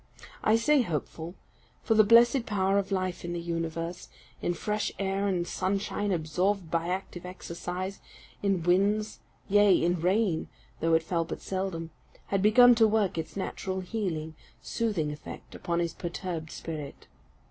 I say hopeful; for the blessed power of life in the universe in fresh air and sunshine absorbed by active exercise, in winds, yea in rain, though it fell but seldom, had begun to work its natural healing, soothing effect, upon his perturbed spirit.